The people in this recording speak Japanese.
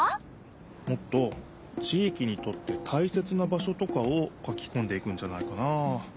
もっと地いきにとってたいせつな場所とかを書きこんでいくんじゃないかなあ。